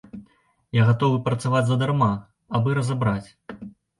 Я гатовы працаваць задарма, абы разабраць.